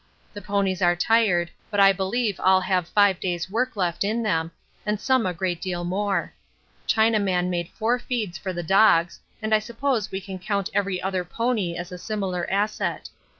The ponies are tired, but I believe all have five days' work left in them, and some a great deal more. Chinaman made four feeds for the dogs, and I suppose we can count every other pony as a similar asset.